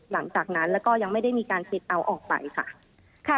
หลังจากนั้นแล้วก็ยังไม่ได้มีการปิดเอาออกไปค่ะ